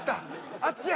あっちや！